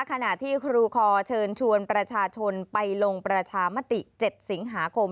ขณะที่ครูคอเชิญชวนประชาชนไปลงประชามติ๗สิงหาคม